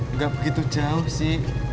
nggak begitu jauh sih